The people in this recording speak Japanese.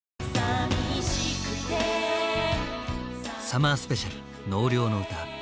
「サマースペシャル納涼のうた」。